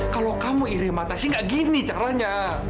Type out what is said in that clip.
kalau kamu iri sama tasya gak gini caranya